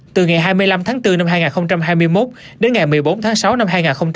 từ ngày hai mươi năm tháng bốn năm hai nghìn hai mươi một đến ngày một mươi bốn tháng sáu năm hai nghìn hai mươi ba